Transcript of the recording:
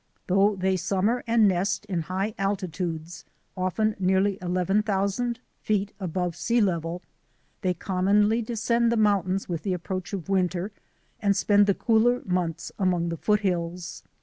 Though they summer and nest in high altitudes — often nearly eleven thousand feet above sea level — they commonly descend the mountains with the approach of winter and spend the cooler months among the foothills.